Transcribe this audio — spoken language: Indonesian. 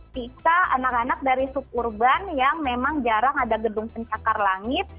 bisa anak anak dari suburban yang memang jarang ada gedung pencakar langit